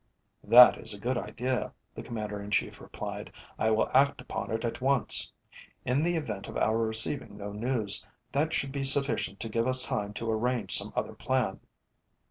"That is a good idea," the Commander in Chief replied; "I will act upon it at once. In the event of our receiving no news, that should be sufficient to give us time to arrange some other plan.